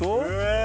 え！